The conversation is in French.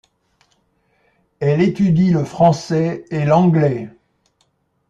Elle étudie le français et l'anglais.